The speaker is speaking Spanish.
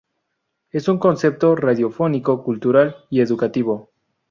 Es un concepto radiofónico cultural y educativo.